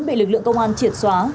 bị lực lượng công an triệt xóa